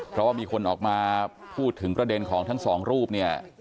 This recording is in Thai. เพราะว่ามีคนออกมาพูดถึงประเด็นของทั้งสองรูปเนี่ย